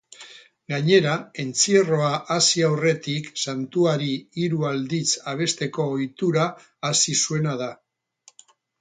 Gainera, entzierroa hasi aurretik santuari hiru aldiz abesteko ohitura hasi zuena da.